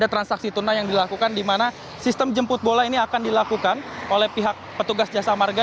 dan ada transaksi tunai yang dilakukan di mana sistem jemput bola ini akan dilakukan oleh pihak petugas jasa warga